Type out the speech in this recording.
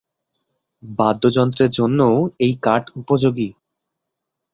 বাদ্যযন্ত্রের জন্যও এই কাঠ উপযোগী।